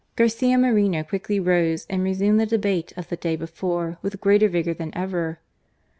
Garcia Moreno quickly rose and resumed the debate of the day before with greater vigour than ever.